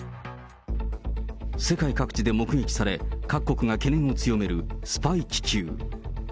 世界各地で目撃され、各国が懸念を強めるスパイ気球。